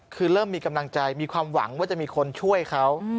คือเริ่มมีกำลังใจมีความหวังว่าจะมีคนช่วยเขา